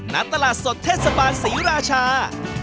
ณตลาดสดเทศบาลศรีราชา